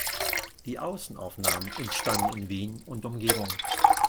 Die Außenaufnahmen entstanden in Wien und Umgebung.